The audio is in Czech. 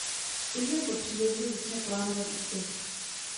Ihned po příjezdu začne plánovat útěk.